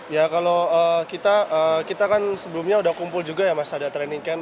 ya kalau kita kan sebelumnya udah kumpul juga ya mas ada training camp